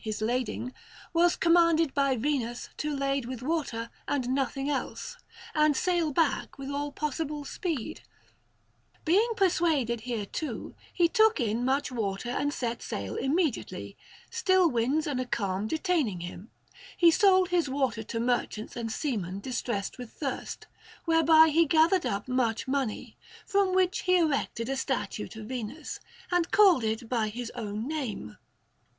his lading, was commanded by Venus to lade with water and nothing else, and sail back with all possible speed] Being persuaded hereto, he took in much water and set sail immediately ; still \vinds and a calm detaining him, he sold his water to merchants and seamen distressed with thirst, whereby he gathered up much money ; from which he erected a statue to Venus, and called it by his own name.